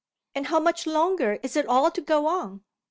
And how much longer is it all to go on?"